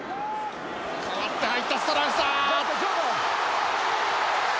代わって入ったストラウスだ！